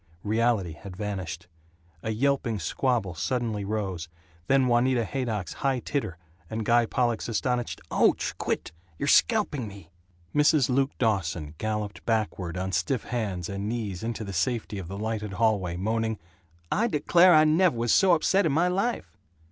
Reality had vanished. A yelping squabble suddenly rose, then Juanita Haydock's high titter, and Guy Pollock's astonished, "Ouch! Quit! You're scalping me!" Mrs. Luke Dawson galloped backward on stiff hands and knees into the safety of the lighted hallway, moaning, "I declare, I nev' was so upset in my life!"